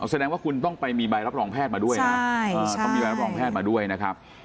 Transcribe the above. แสดงว่าคุณต้องไปมีใบรับรองแพทย์มาด้วยนะต้องมีใบรับรองแพทย์มาด้วยนะครับ